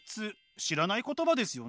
知らない言葉ですよね？